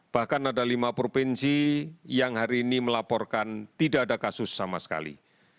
bahkan ada lima provinsi yang hari ini melaporkan tidak ada kasus sama sekali